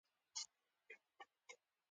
د شعوري او بشري ژوند خوا ته متمایله وه.